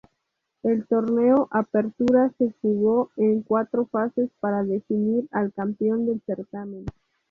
El Torneo Apertura se jugó en cuatro fases para definir al campeón del certamen.